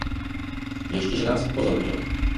Ještě že nás upozornil.